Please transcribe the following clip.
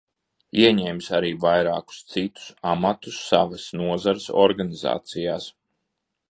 Ieņēmis arī vairākus citus amatus savas nozares organizācijās.